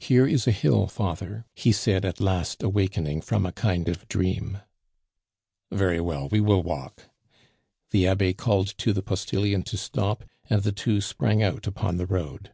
"Here is a hill, father," he said at last awakening from a kind of dream. "Very well, we will walk." The Abbe called to the postilion to stop, and the two sprang out upon the road.